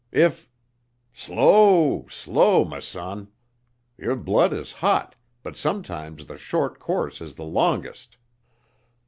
If " "Slow! Slow, m' son. Yer blood is hot, but sometimes th' short course is th' longest.